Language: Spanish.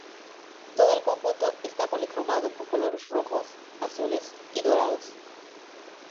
Todo el conjunto está policromado con colores rojos, azules y dorados.